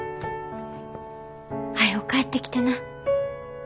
はよ帰ってきてな。